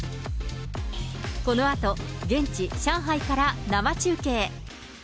このあと現地、上海から生中継。